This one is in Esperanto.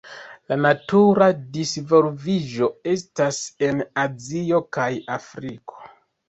La natura disvolviĝo estas en Azio kaj Afriko.